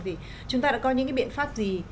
thì chúng ta đã có những cái biện pháp gì